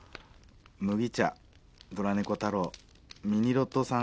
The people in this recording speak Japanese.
麦茶ドラ猫タロウミニロトさん